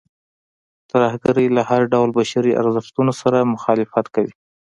ترهګرۍ له هر ډول بشري ارزښتونو سره مخالفت کوي.